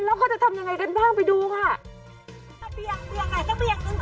แล้วเขาจะทำยังไงกันบ้างไปดูค่ะ